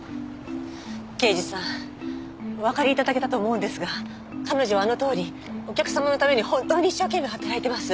刑事さんおわかり頂けたと思うんですが彼女はあのとおりお客様のために本当に一生懸命働いてます。